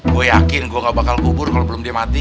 gue yakin gue gak bakal kubur kalau belum dia mati